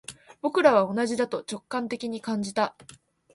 僕らは同じだと直感的に感じた